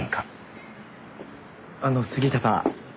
あの杉下さん。